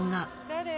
誰？